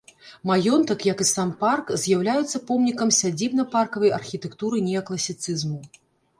Маёнтак, як і сам парк, з'яўляюцца помнікам сядзібна-паркавай архітэктуры неакласіцызму.